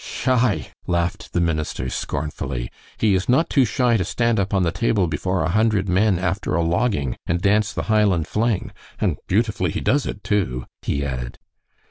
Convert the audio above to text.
"Shy!" laughed the minister, scornfully; "he is not too shy to stand up on the table before a hundred men after a logging and dance the Highland fling, and beautifully he does it, too," he added.